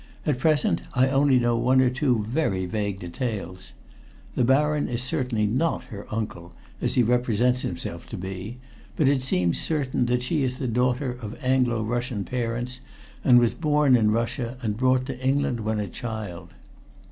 "At present I only know one or two very vague details. The baron is certainly not her uncle, as he represents himself to be, but it seems certain that she is the daughter of Anglo Russian parents, and was born in Russia and brought to England when a child."